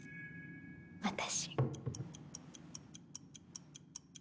私。